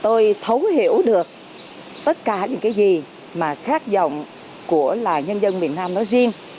tôi thấu hiểu được tất cả những cái gì mà khát vọng của là nhân dân miền nam nói riêng